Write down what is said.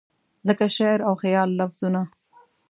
لکه شعر او خیال لفظونه